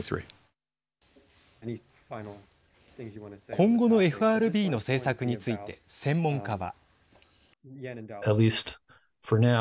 今後のＦＲＢの政策について専門家は。